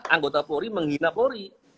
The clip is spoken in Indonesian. anggota pori menghina pori